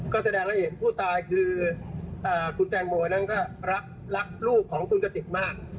ก็แสดงให้เห็นผู้ตายคือคุณแตงโมนั้นก็รักลูกของคุณกติกมาก